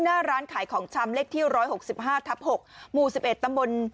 หน้าร้านขายของชำเล็กที่ร้อยหกสิบห้าทับหกหมู่สิบเอ็ดตะมนต์